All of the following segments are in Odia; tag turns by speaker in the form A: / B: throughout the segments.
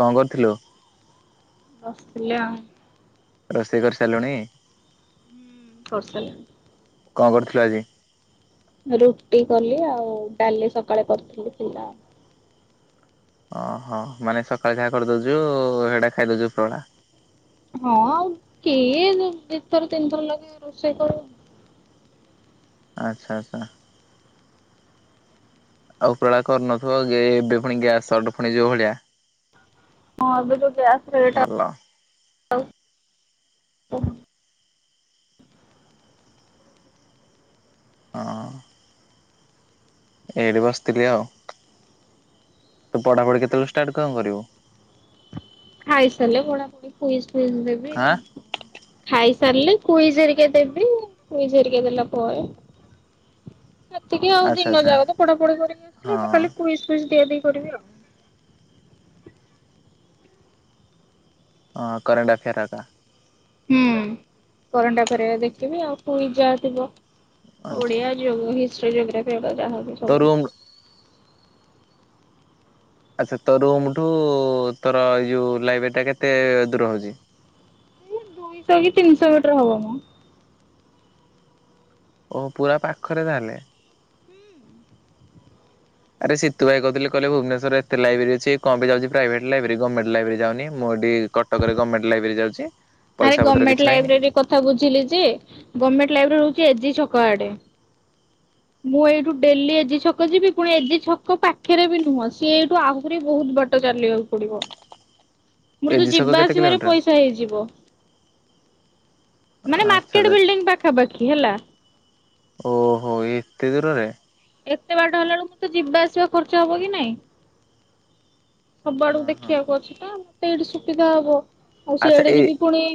A: କଣ କରୁଥୁଲୁ?
B: ବସଥିଲେ ଆଉ।
A: ରୋଷେଇ କରିସାରଲୁଣି?
B: ହୁଁ କରସାଇଲିଣି।
A: କଣ କରିଥିଲୁ ଆଜି?
B: ରୁଟି କଲି ଆଉ ଡାଲି ସକାଳେ କରିଥିଲି ଥିଲା।
A: ଓହୋ ମାନେ ସକାଳେ ଯାହା କରିଦୋଉଚୁ ହେଟା ଖାଇଦୋଉଚୁ ଉପର ବେଳା।
B: ହଁ ଆଉ କିଏ ଯୋଉ ଦିଥର ତିନଥର ଲାଗି ରୋଷେଇ କରିବ।
A: ଆଚ୍ଛା ଆଚ୍ଛା। ଆଉ ପେଳା କରୁନଥୁବ କି ଏବେ ଫୁଣି ଗ୍ୟାସ ସଟ ଫୁଣି ଯୋଉ ଭଳିଆ।
B: ହଁ ଏବେ ତ ଗ୍ୟାସ
A: ହୁଁ
B: ରେଟ୍ ଆଉ
A: ଭଲ। ହଁ। ଏଇଠି ବସିଥିଲି ଆଉ ତୁ ପଢାପଢି କେତେବେଳ ଷ୍ଟାର୍ଟ କଣ କରିବୁ?
B: ଖାଇସାରିଲେ ପଢାପଢି କୁଇଜ୍ ଫୁଇଜ ଦେବି।
A: ଆଁ
B: ଖାଇସାରିଲେ କୁଇଜ ହେରିକା ଦେବି କୁଇଜ ହେରିକା ଦେଲା ପରେ ସେତିକି ଆଉ
A: ଆଚ୍ଛା
B: ଦିନ
A: ଆଚ୍ଛା
B: ଯାକ ତ ପଢାପଢି କରିକି
A: ହଁ
B: ଆସିଲ ଏବେ ଖାଲି କୁଇଜ୍ କୁଇଜ ଦିଆଦେଇ କରିବି ଆଉ
A: ହଁ କରେଣ୍ଟ ଆଫେୟାରଟା
B: ହୁଁ କରେଣ୍ଟଆଫେୟାର୍ ହେରିକା ଦେଖିବି ଆଉ କୁଇଜ୍ ଯାହା ଥିବ
A: ଆଚ୍ଛା।
B: ଓଡିଆ ହିଷ୍ଟ୍ରି ଜୋଗ୍ରାଫି ହେରିକା ଯାହାହୁଏ।
A: ତରୁୁଣ। ଆଚ୍ଛା ତୋ ରୁମଠୁ ତୋର ଏଇ ଯୋଉ ଲାଇବ୍ରେରୀଟା କେତେ ଦୂର ହଉଛି?
B: ଦୁଇଶହ କି ତିନିଶହ ମିଟର ହବ।
A: ଓ ପୁରା ପାଖରେ ତାହାଲେ। ଆରେ ସୀତୁ ଭାଇ କହୁଥିଲେ କହିଲ ଭୁବନେଶ୍ୱର ଏତେ ଲାଇବ୍ରେରି ଅଛି ଇଏ କଣ ପାଇ ଯାଉଛି ପ୍ରାଇଭେଟ ଲାଇବ୍ରେରୀ ଯାଉଛି ଗମେଣ୍ଟ ଲାଇବ୍ରେରୀ ଯାଉନି। ମୁଁ ଏଇଠି କଟକରେ ଗମେଣ୍ଟ ଲାଇବ୍ରେରୀ ଯାଉଛି।
B: ଆରେ
A: ପଇସା ପତ୍ର କିଛି
B: ଗମେଣ୍ଟ
A: ନାହିଁ
B: ଲାଇବ୍ରେରୀ କଥା ବୁଝିଲି ଯେ ଗମେଣ୍ଟ ଲାଇବ୍ରେରୀ ହଉଛି ଏଜି ଛକ ଆଡେ ମୁଁ ଏଇଠୁ ଡେଲି ଏଜି ଛକ ଯିବି ପୁଣି ଏଜି ଛକ ପାଖରେ ବି ନୁହଁ ସିଏ ଏଇଠୁ ଆହୁରି ବି ବହୁତ ବା ଚାଲିିବାକୁ ପଡିବ। ମୋର ତ
A: ଏଜି ଛକ
B: ଯିବା
A: କେତେ
B: ଆସିବାରେ
A: କିଲୋମିଟର
B: ପଇସା ହେଇଯିବ। ମାନେ
A: ଆଚ୍ଛା
B: ମାର୍କେଟ
A: ଭାଇ
B: ବିଲ୍ଡିଂ ପାଖାପାଖି ହେଲା
A: ଓହୋ ଏତେ ଦୂରରେ
B: ଏତେ ବାଟ ହେଲା ବେଳକୁ ମୁଁ ତ ଯିବା ଆସିବା ଖର୍ଚ୍ଚ ହବ କି ନାଇଁ? ସବୁଆଡକୁ
A: ହଁ ହଁ
B: ଦେଖିବାକୁ ଅଛି ତ ମତେ ଏଇଠି ସୁବିଧା ହବ ଆଉ
A: ଆଚ୍ଛା
B: ସିଆଡେ
A: ଏ
B: ଯିବି ପୁଣି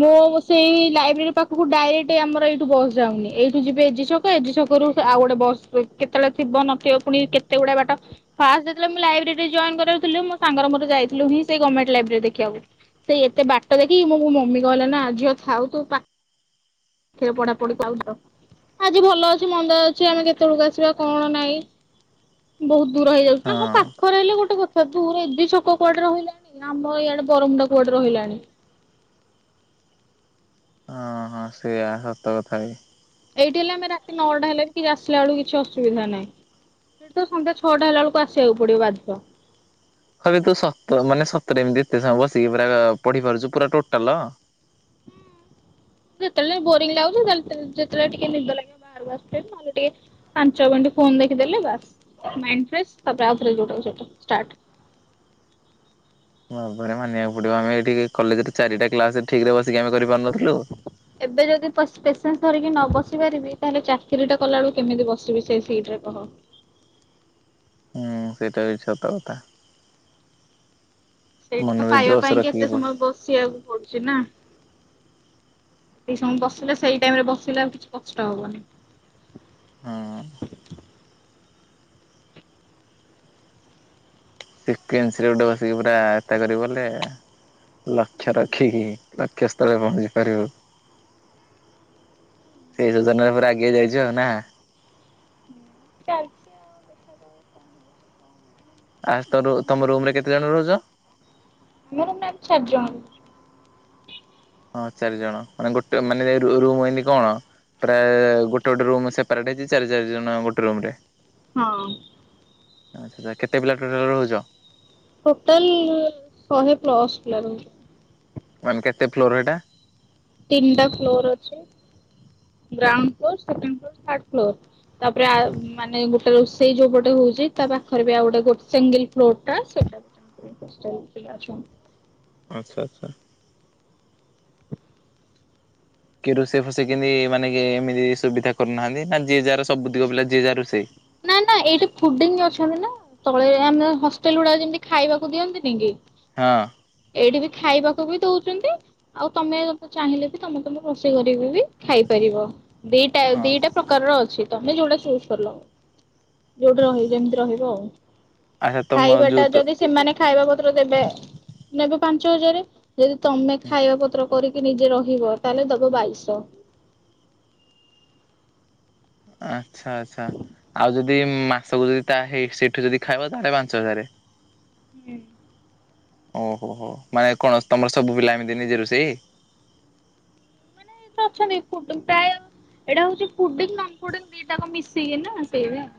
B: ମୁଁ ସେଇ ଲାଇବ୍ରେରୀ ପାଖକୁ ଡାଇରେକ୍ଟ ଆମର ଏଇଠୁ ବସ ଯାଉନି ଏଇଠୁ ଯିବେ ଏଜି ସବ ଏଜି ଛକରୁ ଆଉ ଗୋଟେ ବସ କେତେବେଳେ ଥିବ ନଥିବ ପୁଣି କେତେ ଗୁଡା ବାଟ ଫାଷ୍ଟ ଯେତେବେଳେ ମୁଁ ଲାଇବ୍ରେରୀ ଜଏନ୍ କରଥିଲୁ ସାଙ୍ଗର ମୋର ଯାଇଥିଲୁ ସେ ଗମେଣ୍ଟ ଲାଇବ୍ରେରୀ ଦେଖିବାକୁ। ସେଇ ଏତେ ବାଟ ଦେଖି ମୋ ମମି କହିଲ ନା ଝିଅ ଥାଉ ତୁ ପଢାପଢ଼ି ଆଜି ଭଲ ଅଛି ମନ୍ଦ ଅଛି ଆମେ କେତେବେଳକୁ ଆସିବା କଣ ନାଇଁ? ବହୁତ ଦୂର ହେଇଯାଉଛି ନା ହଁ ପାକ ରହିଲେ ଗୋଟେ କଥା ତୁର ଏଜି ଛକ କୁଆଡେ ରହିଲାଣି ନା ଆମରଇଆଡେ ବରମୁଣ୍ଡା କୁଆଡେ ରହିଲାଣି?
A: ହଁ ହଁ ସେଇଆ ସତ କଥା ବି
B: ଏଇଠି ହେଲେ ଆମେ ରାତି ନଅଟା ହେଲେ ବି କିଛି ଆସିଲା ବଳକୁ କିଛି ଅସୁବିଧା ନାହିଁ। ତ ସନ୍ଧ୍ୟ ଛଅଟୁ ହେଲା ବଳକୁ ଆସିବାକୁ ପଡିବ ବାଧ୍ୟ
A: ତଥାପି ତୁ ସତ ମାନେ ସତରେ ଏମିତି ଏତେ ସମୟ ବସିକି ପା ପଢି ପାରୁଚୁ ପୁରା ଟୋଟାଲ
B: ଯେତେବେଳେ ବୋରିଂ ଲାଗୁଛି ଯେତେବେଳେ ଟିକେ ନିଦ ଲାଗେ ନହେଲେ ଟିକେ ପାଞ୍ଚ ମିନିଟ୍ ଫୋନ ଦେଖିଦେଲେ ବାସ ମାଇଣ୍ଡ ଫ୍ରେଶ ତାପରେ ଆଉଥରେ ଯୋଉଟାକୁ ସେଟା ଷ୍ଟାର୍ଟ
A: ଯାହା ହଉ ଭାବରେ ମାନିବାକୁ ପଡିବ ଆମେ ଏଠିକି କଲେଜରେ ଚାରିଟା କ୍ଲାସ ଠିକରେ ବସିକି ଆମେ କରିପାରୁନଥିଲୁ।
B: ଏବେ ଯଦି ପେସେନ୍ସ ଧରିକି ନ ବସି ପାରିବି ତାହେଲେ ଚାକିରିଟା କଲା ବବେଳକୁ କେମିତି ବସିବି ସେ ସେଇ ସିଟରେ କହ?
A: ହୁଁ ସେଇଟା ବି ସତ କଥା।
B: ସେଇଟା ତ
A: ମନରେ
B: ପାଇବା
A: ଜୋସ
B: ପାଇଁ
A: ରଖିକି
B: ଏତେ
A: ପଢ
B: ସମୟ ବସିବାକୁ ପଡୁଛି ନା। ସେଇ ସମୟ ବସିଲେ ସେଇ ଟାଇମରେ ବସିଲେ ଆଉ କିଛି କଷ୍ଟ ହବନି।
A: ହଁ। ଟିକେ [inaudible] ବସିକି ପୁରା ତା କରିବୁ ଗଲେ। ଲକ୍ଷ ରଖିକି ଲକ୍ଷ୍ୟ ସ୍ଥଳେରେ ପହଞ୍ଚି ପାରିବୁ। ସେଇ ସଜନରେ ପୁର ଆଗେଇଆ ଯାଇଛୁ ଆଉ ନା
B: ଚାଲଛି
A: ଆଉ ତ ତମ ରୁମରେ କେତେ ଜଣ ରହୁଛ?
B: ରୁମମେଟ୍ ଚାର ଜଣ।
A: ହଁ ଚାରି ଜଣ ମାନେ ଗୋଟେ ମାନେ ରୁମ ଏମତି କଣ? ପ୍ରାୟ ଗୋଟେ ଗୋଟେ ରୁମ ସେପାରେଟ ହେଇଛି ଚାରି ଚାରି ଜଣ ଗୋଟେ ରୁମ ରେ
B: ହଁ।
A: ଆଚ୍ଛ ଆ କେତେ ପିଲା ଟୋଟଲ ରହୁଚ?
B: ଟୋଟାଲ ଶହେ ପ୍ଲସ୍ ଲାଗନ୍ତି।
A: ମାନେ କେତେ ଫ୍ଲୋର ଏଟା।
B: ତିନିଟା ଫ୍ଲୋର ଅଛି ground floor second floor third floor. ତାପରେ ମାନେ ଗୋଟେ ରୋଷେଇ ଯୋଉ ଗୋଟେ ହଉଛି ତା ପାଖରେ ବି ଆଉ ଗୋଟେ ସିଙ୍ଗିଲ ଫ୍ଲୋର ହ ସେଠା [unintelligible]
A: ଆଚ୍ଛା ଆଚ୍ଛା। କି ରୋଷେଇ ଫୋଷେଇ କେମିତି ମାନେ କି ଏମିତି ସୁବିଧା କରୁନାହାନ୍ତି, ନା ଯି ଯା ର ସବୁ ଦିଗ ପିଲା ଯିଏ ଯାହା [unintelligible]
B: ନା ନା ଏଇଟା ଫୁଡିଙ୍ଗି ଅଛି ନା। ତଳେ ଆମେ ହଷ୍ଟେଲ ଗୁଡାକ ଯେମିତି ଖାଇବାକୁ ଦିଅନ୍ତିନି କି।
A: ହଁ।
B: ଏଇଠି ବି ଖାଇବାକୁ ବି ଦଉଛନ୍ତି। ଆଉ ତମେ ଯେ ଚାହିଁଲେ ବି ତମକୁ ବି ରୋଷେଇ କରିକି ବି ଖାଇପାରିବ। ଦିଟା
A: ହଁ
B: ଦିଟା ପ୍ରକାରର ଅଛି ତମେ ଯୋଉଟା ଚୁଜ୍ କଲ। ଯୋଉଠି ରହିବି ଯେମିତି ରହିବ ଆଉ
A: ଆଚ୍ଛା ତମ
B: ଖାଇବା ଟା
A: ଯୋଉ
B: ଯଦି ସେମାନେ ଖାଇବା ପତ୍ର ଦେବେ ନେବେ ପାଞ୍ଚ ହଜାର, ଯଦି ତମେ ଖାଇବା ପତ୍ର କରିକି ନିଜେ ରହିବ ତାହେଲେ ଦବ ବାଇଶ।
A: ଆଚ୍ଛା ଆଚ୍ଛା ଆଉ ଯଦି ମାସକୁ ଯଦି ତା ହେଇ ସେଇଠୁ ଯଦି ଖାଇବ ତାହେଲେ ପାଞ୍ଚ ହଜାରେ।
B: ହୁଁ।
A: ଓହୋହୋ ମାନେ କଣ ତମର ସବୁ ପିଲା ଏମିତି ନେଇଛନ୍ତି।
B: ମାନେ ଅଛନ୍ତି କୁ [unintelligible] ପ୍ରାୟ ଏଇଟା ହଉଛି ଫୁଡ଼ିଙ୍ଗି ନନ୍ ଫୁଡ଼ିଙ୍ଗୀ କୁ ଦିଟା ମିଶେଇକି ନା।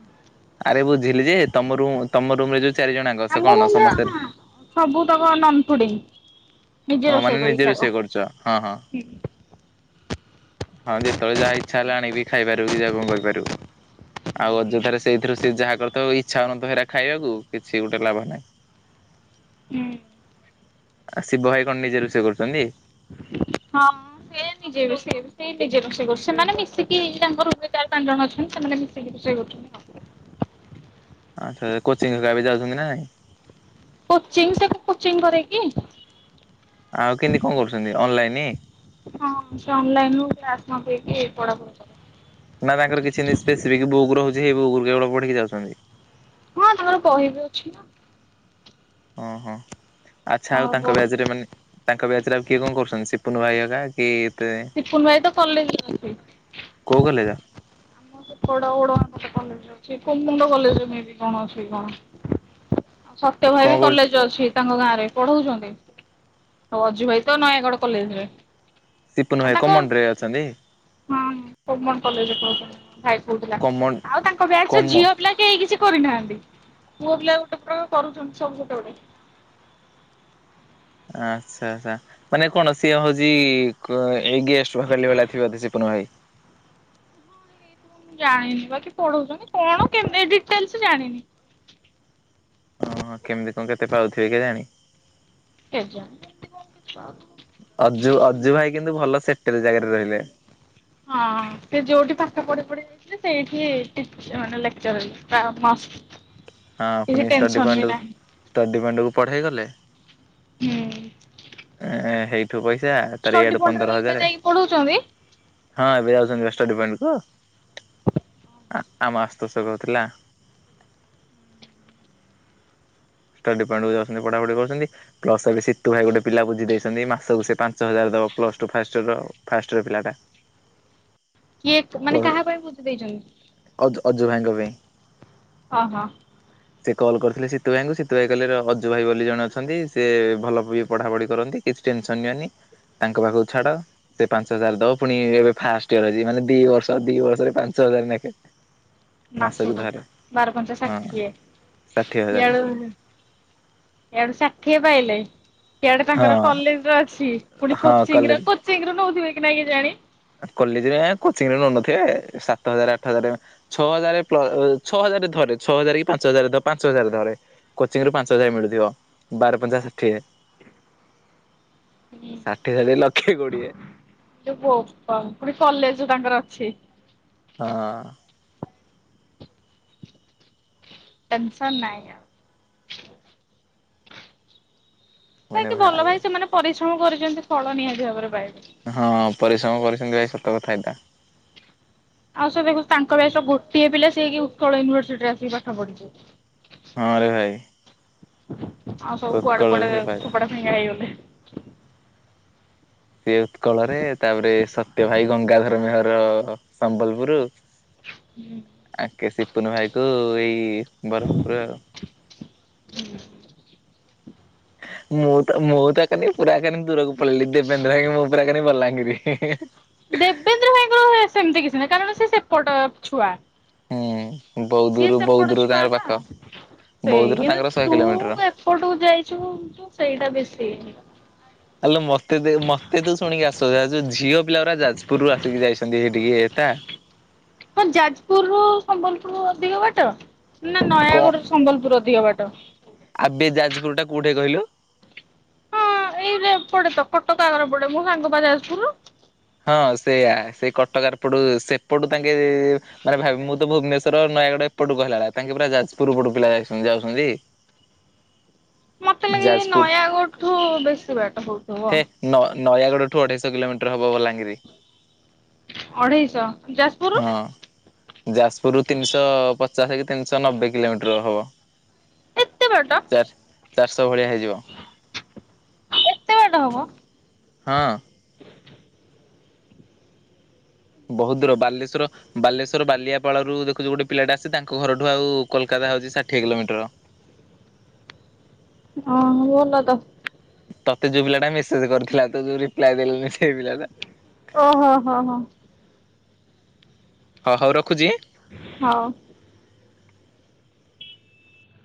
A: ଆରେ ବୁଝିଲି ଯେ ତମ ରୁମ୍ ତମ ରୁମ ରେ ଯଦି ଦିଇଜଣ ଆ
B: ଆମ ସବୁ ହିଁ ତକ ନନ ପୁଡିଙ୍ଗି।
A: ଓ ମାନେ ନିଜେ ରୋସେଇ କରୁଚ ହଁ ହଁ।
B: ହୁଁ
A: ହଁ ଯେତବେଳେ ଯାହା ଇଚ୍ଛା ହେଲା ଆଣି ଖାଇପାରୁ କି ଯାହା କଣ [unintelligible] ଆଉ ଅଯଥାରେ ସେଇଥିରୁ ସେ ଯାହା କରିଥିବ ଇଚ୍ଛା ହୋଉନଥିବ ଖାଇବାକୁ କିଛି ଗୋଟେ ଲାଭ ନାହିଁ। [inaudible]
B: ହୁଁ।
A: ଆ ଶିବ ଭାଇ କଣ ନିଜେ ରୋସେଇ ସେ କରୁଛନ୍ତି?
B: ହଁ। ସେ ନିଜେ ରୋସେଇ ସେ ନିଜେ ରୋସେଇ ସେମାନେ ମିଶିକି ତାଙ୍କ ସେ ଚାରି ପାଞ୍ଚ ଟା ଅଛନ୍ତି ସେମାନେ ମିିକ ସେ ସେଁ
A: ଆଚ୍ଛା କୋଚିଂ ବି ଯାଉଛନ୍ତି କି ନା ନାଇଁ?
B: କୋଚିଂ ସେକୁ କୋଚିଂ କରେ କିି
A: ଆଉ କେମିତି କଣ କରୁଛନ୍ତି ଅନଲାଇନ
B: ହଁ ସେ ଅନଲାଇନ କ୍ଲାସ ନକରିକି ପଢ
A: ନା ତାଙ୍କର କିଛି ନିସ୍‌ସ୍ପେସିଫିକ୍‌ ବୁକ୍ ରହୁଛି ସେଇ ବୁକ୍ ରୁ କେବଳ ପଢିକି ଯାଉଛନ୍ତି।
B: ହଁ ତାଙ୍କର ବହି ବି ଅଛି ନା।
A: ଓହୋ ଆଚ୍ଛା ଆଉ
B: ତାଙ୍କର
A: ତାଙ୍କ
B: ବହି
A: ବ୍ୟାଚ ରେ ଏମାନେ ତାଙ୍କ ବ୍ୟାଚରେ ଆଉ କିଏ କଣ କରୁଛନ୍ତି ସିପୁନ ହେଲା କି ତେ
B: ସିପୁନ ଭାଇ ତ କଲେଜ୍‌‌ ରେ ଅଛି।
A: କୋଉ କଲେଜ?
B: ବଡ ବଡ କଲେଜ ଅଛି କୁମୁଣ୍ଡ କଲେଜରେ ମେବି କଣ ଅଛି କି କଣ? ସତ୍ୟ ଭାଇ
A: କଣ
B: ବି
A: କରୁଛି
B: କଲେଜ ଅଛି। ତାଙ୍କ ଗାଁ ରେ ପଢଉଛନ୍ତି, ଆଉ ଅଜୁ ଭାଇ ତ ନୟାଗଡ଼ କଲେଜ୍‌‌ରେ।
A: ସିପୁନୁ
B: ଆଉ
A: ଭାଇ
B: ତାଙ୍କ
A: କମଣ୍ଡ ରେ
B: ହଁ
A: ଅଛନ୍ତି
B: କୋମଣ୍ଡ କଲେଜରେ ପଢଉଛନ୍ତି। ଭାଈ କୋଉଥିଲା
A: କମଣ୍ଡ
B: ଆଉ ତାଙ୍କ ବ୍ୟାଚ ରେ
A: କମ
B: ଝିଅ ପିଲା କେହି କିଛି କରିନାହାନ୍ତି ପୁଅ ପିଲା ଗୋଟେ ଗୋଟେ କରୁଛନ୍ତି। ସବୁ ଗୋଟେ ଗୋଟେ
A: ଆଚ୍ଛା ଆଛା। ମାନେ କଣ ସିଏ ହଉଛି, କ ଏଇ ଗେଷ୍ଟ ପାଖଲି ଥିବ ବୋଧେ ସିପୁନ୍‌ ଭାଇ।
B: ଜାଣିନିପା ସେ ପଢଉଚନ୍ତି କଣ କେମି ଡିଟେଲ୍ସ ଜାଣିନି।
A: ଅଁ ହଁ କେମିତି କଣ କେତେ ପାଉଥିବେ କେ ଜାଣି
B: [unintelligible]
A: ଅଜୁ ଅଜୁ ଭାଇ କିନ୍ତୁ ଭଲ ସେଟେଲ୍‌ ଜାଗାରେ ରହିଲେ।
B: ହଁ ସେ ଯୋଉଠି ପାଠ ପଢି ପଢି। ସେ ସେଇଠି ଟିଚ୍ ମାନେ ଲେକ୍ଚର ଅଛି ତା ମାସ୍‌
A: ହଁ ପୁଣି
B: କିଛି
A: ଷ୍ଟଡି ପଏଣ୍ଟ
B: ଟେନସନ୍‌ବି ନାହିଁ।
A: ଷ୍ଟଡି ପାଏଣ୍ଟ କୁ ପଢେଇ ଗଲେ [inaudible]
B: ହୁଁ
A: ଏଁ, ହେଇଠୁ ପଇସା ତାର
B: ଷ୍ଟଡି
A: ଇଆଡୁ
B: ପଏଣ୍ଟ ରେ
A: ପନ୍ଦର
B: ଏବେ ଏବେ
A: ହଜାରେ
B: ଯାଇଁକି ପଢଉଚନ୍ତି।
A: ହଁ ଏବେ ଯାଉଛନ୍ତି ଷ୍ଟଡିପୋଏଣ୍ଟ କୁ, ଆମ ଆଶୁତୋଷ କଉଥିଲା। ଷ୍ଟଡି ପଏଣ୍ଟ କୁ ଯାଉଛନ୍ତି ପଢା ପଢି କରୁଛନ୍ତି। ପ୍ଲସ ଏବେ ସିତୁ ଭାଇ ଗୋଟେ ପିଲା ବୁଝି ଦେଇେଚନ୍ତି ମାସୁକୁ ସେ ପାଞ୍ଚ ହଜାର ଦବ ପ୍ଲସ୍ ଟୁ ଫାର୍ଷ୍ଟ ଇୟର ର। ଫାଷ୍ଟ ଇୟର ପିଲାଟା।
B: କିଏ ମାନେ କାହା ପାଇଁ ବୁଝି ଦେଇେଚି?
A: ଅଜୁ ଅଜୁ ଭାଈଙ୍କ ପାଇଁ।
B: ଅ ହ।
A: ସେ କଲ୍ କରିଥିଲେ ସୀତୁ ଭାଈଙ୍କୁ ସି। ସୀତୁ ଭାଈ କାଇଲେ ର ଅଜୁ ଭାଈ ବୋଲି ଜଣେ ଅଛନ୍ତି ସେ ଭଲ ବି ପଢା ପଢି କରନ୍ତି କିଛି ଟେନସନ୍ ନିଅନି। ତାଙ୍କ ପାଖୁକୁ ଛାଡ। ସେ ପାଞ୍ଚ ହଜାର ଦବ ଫୁଣି ଏବେ ଫାଷ୍ଟ ଇୟର ଅଛି ମାନେ ଦି ବର୍ଷ ଦି ବର୍ଷରେ ପାଞ୍ଚ ହଜାରେ ନେଖେ [inaudible]
B: ମାସୁକୁ
A: ଧରେ
B: ବାରପଞ୍ଚା
A: ହଁ
B: ଷାଠିଏ।
A: ଷାଠିଏ ହଜାର
B: ଇଆଡୁ ଇଆଡୁ ଷାଠିଏ ପାଇଲେ ସିଆଡେ
A: ହଁ
B: ତାଙ୍କର କଲେଜ ର ଅଛି ପୁଣି
A: ହଁ
B: କୋଚିଂ ର
A: କଲେଜ
B: କୋ ଶୀଘ୍ର ନେଉଥିବେ କି ନାହିଁ କେଜାଣି?
A: ଆଁ କଲେଜରେ ଏଁ କୋଚିଂ ରେ ନଉନଥିବେ ସାତ ହଜାରେ ଆଠ ହଜାରେ ଛଅ ହଜାରେ ପ୍ଳ ଛଅ ହଜାରେ ଧରେ ଛଅହଜାରେ କି ପାଞ୍ଚ ହଜାରେ ଧ ପାଞ୍ଚ ହଜାରେ ଧରେ କୋଚିଂ ରୁ ପାଞ୍ଚ ହଜାର ମିଳୁଥିବ ବାର ପଞ୍ଚା ଷାଠିଏ। ଷାଠିଏ ଷାଠିଏ ଲକ୍ଷେ କୋଡିଏ।
B: ଇଲୋ ବୋପା ମା ଫୁଣି କଲେଜ ତାଙ୍କର ଅଛି।
A: ହଁ
B: ଟେନସନ୍ ନାହିଁ ଆଉ। ନାଇଁ
A: ମାନେ
B: କି ବଲ
A: ଭାବେ
B: ଭାଇ ସେମାନେ ପରିଶ୍ରମ କରିଚନ୍ତି ଫଳ ନିହାତି ଭାବରେ ପାଇବେ।
A: ହଁ ପରିଶ୍ରମ କରିଛନ୍ତି ଭାଇ ସତ କଥା ଏଇଟ।
B: ଆଉ ସେ ପାଇଁ କୋଉଚି ତାଙ୍କ ବ୍ୟାଚ ର ଗୋଟିଏ ପିଲା ସିଏକି ଉତ୍କଳ ୟୁନିଭର୍ସିଟି ରେ ଆସିକି ପାଠ ପଢୁଛି।
A: ହଁରେ ଭାଇ।
B: ଆଉ ସବୁ କୁଆଡେ
A: ଉତ୍କଳରେ
B: କୁଆଡେ
A: ସେ ପାଇଲା
B: ଫୋପଡା ଫିଙ୍ଗା ହେଇଗଲେ।
A: ସେ ଉତ୍କଳରେ ତାପରେ ସତ୍ୟ ଭାଇ ଗଙ୍ଗାଧର ମେହର ସମ୍ବଲପୁର। ଆ କେ ସିପୁନ ଭାଇ କୁ ଏଇ ବରମପୁର ଆଉ। ମୁଁ ତ ମୁଁ ତ କାନି ପୁରା କାନି ଦୂରକୁ ପଳେଇଲି ଦେବେନ୍ଦ୍ର ଭାଇ ମୁଁ ପୁରା କରେ ବଲାଙ୍ଗିରି।
B: ଦେବେନ୍ଦ୍ର ଭାଇଙ୍କ ସେମିତି କିଛି ନାହିଁ କାରଣ ସେ ସେପଟ ଛୁଆ।
A: ହୁଁ ବହୁତ
B: ସିଏ
A: ଦୂର ବହୁତ
B: ସେପଟ
A: ଦୂର
B: ଛୁଆ
A: ତାଙ୍କର
B: ନା
A: ପାଖ ବହୁତ
B: ସେଇ
A: ଦୂର ତାଙ୍କର
B: କିନ୍ତୁ
A: ଶହେ
B: ତୁ
A: କିଲୋମିଟର।
B: ଏ ପଟକୁ ଯାଇଛୁ ତୁ ସେଇଟା ବେଶୀ ହେଇଯିବ।
A: ଆଲୋ ମତେ ଦେ ମତେ ତୁ ଶୁଣିକି ଆଶ୍ଚଯ୍ୟ ଆ ଯୋଉ ଝିଅ ପିଲା ଗୁରା ଯାଜପୁରରୁ ଆସିକି ଯାଇଛନ୍ତି ହେଇଟିକି ହେଟା।
B: ହଁ ଯାଜପୁରରୁୁ ସମ୍ବଲପୁର ଅଧିକ ବାଟ ନା
A: କଣ
B: ନୟାଗଡରୁ ସମ୍ବଲପୁର ଅଧିକ ବାଟ।
A: ଆବେ ଯାଜପୁର ଟା କୋଉଠି କହିଲୁ?
B: ହଁ ଏଇରେ ଏପଟେ ତ କଟକ ଆଗରେ ପଡେ ମୋ ସାଙ୍ଗ ପା ଯାଜପୁର।
A: ହଁ ସେୟା ସେଇ କଟକ ଆର ପଟୁ ସେପଟୁ ତାଙ୍କେ ମାନେ ଭାବି ମୁଁ ତ ଭୁବନେଶ୍ୱର ନୟାଗଡ ଏପଟକୁ କହିଲା ଭଳିଆ, ତାଙ୍କେ ପୁରା ଯାଜପୁର ପଟୁ ପିଲା ଯାଇ, ଯାଉଛନ୍ତି।
B: ମତେ ଲାଗେ
A: ଯାଜପୁର,
B: ନୟାଗଡ଼ଠୁ ବେଶୀ ବାଟ ହଉଥିବ।
A: ହେ ନ ନୟାଗଡ଼ ଠୁ ଅଢେଇଶ କିଲୋମିଟର ହବ ବଲାଙ୍ଗୀର।
B: ଅଢେଇଶ ଯ
A: ହଁ ଯାଜପୁରରୁୁ ତିନିଶହ ପଚାଶ କି ତିନିଶହ ନବେ କିଲୋମିଟର ହବ।
B: ତେ ବାଟ?
A: ଚାର, ଚାରିଶହ ଭଳିଆ ହେଇଯିବ।
B: ଏତେ ବାଟ ହବ?
A: ହଁ। ବୋହୁତ୍ ଦୂର ବାଲେଶ୍ଵର ବାଲେଶ୍ୱର ବାଲିଆପାଳରୁ ଦେଖୁଛୁ ଗୋଟେ ପିଲାଟେ ଆସିଚି, ତାଙ୍କ ଘରଠୁ ଆଉ କୋଲକାତା ହଉଛି ଷାଠିଏ କିଲୋମିଟର।
B: ହଁ ଭଲ ତ।
A: ତତେ ଯୋଉ ପିଲା ଟା ମେସେଜ୍ କରିଥିଲା, ତୁ ଯୋଉ ରିପ୍ଲାଏ ଦେଲୁନି ସେଇ ପିଲା ଟା।
B: ଓହୋ, ହଁ, ହଁ,।
A: ହଁ ହଉ ରଖୁଛି?
B: ହଉ।